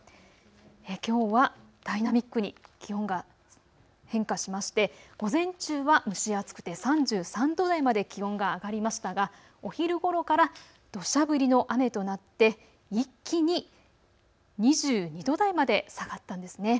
きょうはダイナミックに気温が変化しまして午前中は蒸し暑くて３３度台まで気温が上がりましたがお昼ごろからどしゃ降りの雨となって一気に２２度台まで下がったんですね。